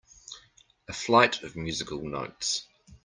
A flight of musical notes.